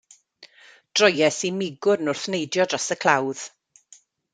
Droies i 'migwrn wrth neidio dros y clawdd.